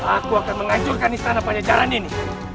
aku akan menghancurkan istana panjang jalan ini